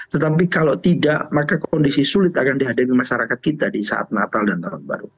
tetapi kalau tidak maka kondisi sulit akan dihadapi masyarakat kita di saat natal dan tahun baru